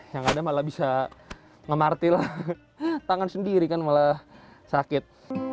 yang ada malah bisa ngemaril tangan sendiri kan malah sakit